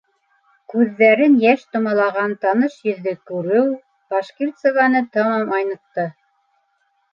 Күҙҙәрен йәш томалаған таныш йөҙҙө күреү Башкирцеваны тамам айнытты.